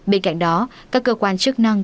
bên cạnh đó các cơ quan chức năng